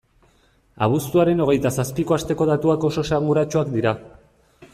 Abuztuaren hogeita zazpiko asteko datuak oso esanguratsuak dira.